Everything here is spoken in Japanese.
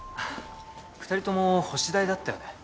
２人とも星大だったよね？